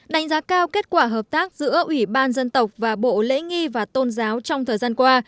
đánh giá cao kết quả hợp tác giữa ủy ban dân tộc và bộ lễ nghi và tôn giáo trong thời gian qua